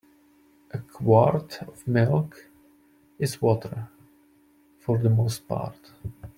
A quart of milk is water for the most part.